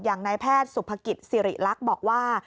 อย่างนายแพทย์สุภกิจสิริลักษณ์บอกว่า